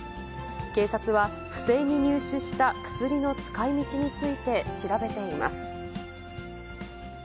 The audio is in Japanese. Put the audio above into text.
警察は、不正に入手した薬の使いみちについて調べています。